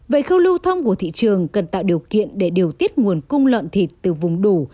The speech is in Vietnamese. vậy khâu lưu thông của thị trường cần tạo điều kiện để điều tiết nguồn cung lợn thịt từ vùng đủ